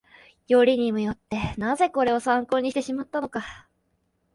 よりにもよって、なぜこれを参考にしてしまったのか